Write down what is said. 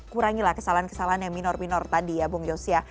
kurangi lah kesalahan kesalahan yang minor minor tadi ya bung josya